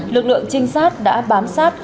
lực lượng trinh sát đã bám sát